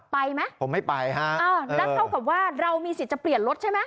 ไปไหมผมไม่ไปฮะอ่าแล้วเท่ากับว่าเรามีสิทธิ์จะเปลี่ยนรถใช่ไหม